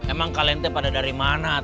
emang kalian tuh pada dari mana